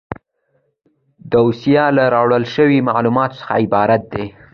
دوسیه له راټول شویو معلوماتو څخه عبارت ده.